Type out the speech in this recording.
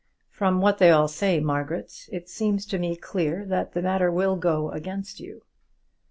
From what they all say, Margaret, it seems to me clear that the matter will go against you."